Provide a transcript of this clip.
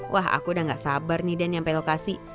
wah aku udah gak sabar nih dan nyampe lokasi